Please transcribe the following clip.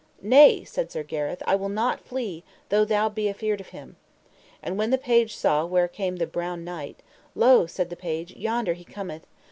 Nay, said Sir Gareth, I will not flee though thou be afeard of him. And then the page saw where came the Brown Knight: Lo, said the page, yonder he cometh.